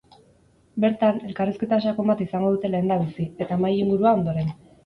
Bertan, elkarrizketa sakon bat izango dute lehendabizi, eta mahai-ingurua, ondoren.